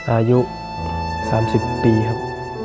อายุ๓๐ปีครับ